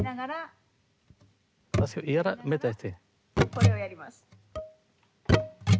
これをやります。